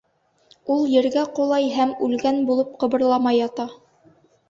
Ул ергә ҡолай һәм үлгән булып ҡыбырламай ята.